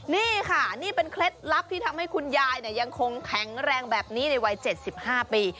นี่ค่ะนี่เป็นเคล็ดลับที่ทำให้คุณยายยังคงแข็งแรงแบบนี้ในวัย๗๕ปี